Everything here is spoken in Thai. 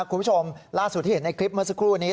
คุณผู้ชมล่าสุดที่เห็นในคลิปเมื่อสักครู่นี้